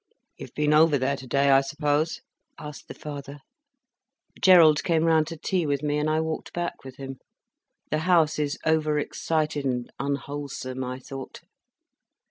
"You've been over there today, I suppose?" asked the father. "Gerald came round to tea with me, and I walked back with him. The house is overexcited and unwholesome, I thought."